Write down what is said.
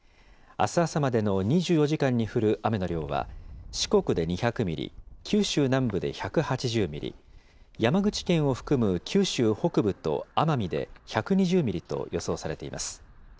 あす朝までの２４時間に降る雨の量は、四国で２００ミリ、九州南部で１８０ミリ、山口県を含む九州北部と奄美で１２０ミリと予想されています。